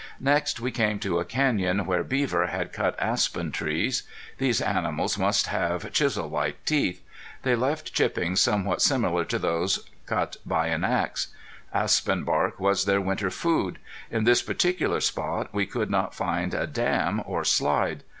Next we came to a canyon where beaver had cut aspen trees. These animals must have chisel like teeth. They left chippings somewhat similar to those cut by an axe. Aspen bark was their winter food. In this particular spot we could not find a dam or slide.